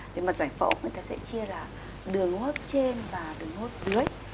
để mà giải phẫu người ta sẽ chia là đường hô hấp trên và đường hô hấp dưới